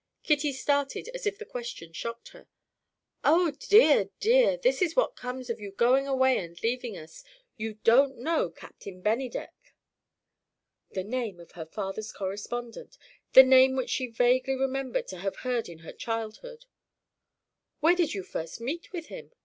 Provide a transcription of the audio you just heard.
Kitty started as if the question shocked her. "Oh dear, dear, this is what comes of your going away and leaving us! You don't know Captain Bennydeck." The name of her father's correspondent! The name which she vaguely remembered to have heard in her childhood! "Where did you first meet with him?"